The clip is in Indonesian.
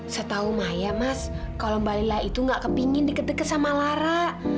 setahu maya mas kalau mbak lilah itu nggak kepingin deket deket sama lara